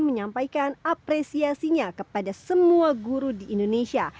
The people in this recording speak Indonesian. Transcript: menyampaikan apresiasinya kepada semua guru di indonesia